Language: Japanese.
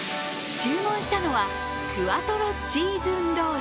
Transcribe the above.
注文したのはクワトロ・チーズンロール。